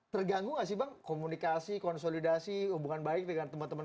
terganggu gak sih bang komunikasi konsolidasi hubungan baik dengan teman teman